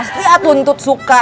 tentu ntut suka